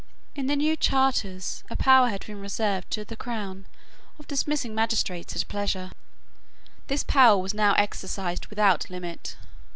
In the new charters a power had been reserved to the crown of dismissing magistrates at pleasure. This power was now exercised without limit.